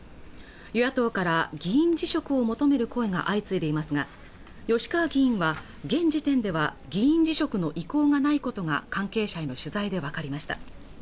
与野党から議員辞職を求める声が相次いでいますが吉川議員は現時点では議員辞職の意向がないことが関係者への取材で分かりました